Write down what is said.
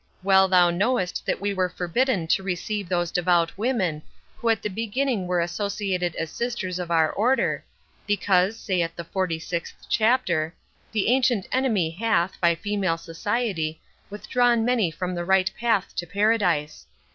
—Well thou knowest that we were forbidden to receive those devout women, who at the beginning were associated as sisters of our Order, because, saith the forty sixth chapter, the Ancient Enemy hath, by female society, withdrawn many from the right path to paradise.